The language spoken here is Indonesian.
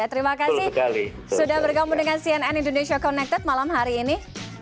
terima kasih sudah bergabung dengan cnn indonesia connected malam hari ini